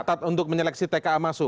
ketat untuk menyeleksi tka masuk